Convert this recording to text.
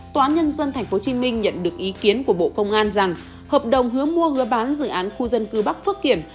tòa án nhân dân tp hcm nhận được ý kiến của bộ công an rằng hợp đồng hứa mua hứa bán dự án khu dân cư bắc phước kiểm